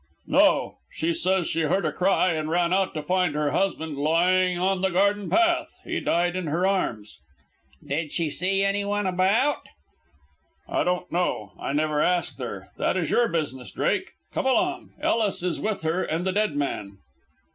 "No; she says she heard a cry, and ran out to find her husband dying on the garden path. He died in her arms." "Did she see anyone about?" "I don't know. I never asked her. That is your business, Drake. Come along, Ellis is with her and the dead man."